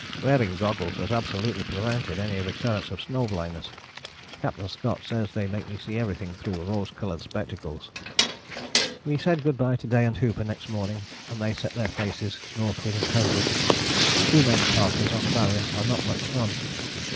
Wearing goggles has absolutely prevented any recurrence of snow blindness. Captain Scott says they make me see everything through rose coloured spectacles." We said good bye to Day and Hooper next morning, and they set their faces northwards and homewards. Two men parties on the Barrier are not much fun.